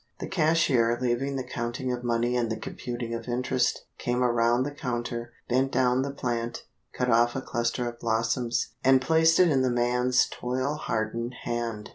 "The cashier, leaving the counting of money and the computing of interest, came around the counter, bent down the plant, cut off a cluster of blossoms, and placed it in the man's toil hardened hand.